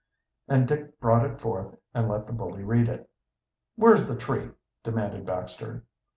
And Dick brought it forth and let the bully read it. "Where's the tree?" demanded Baxter.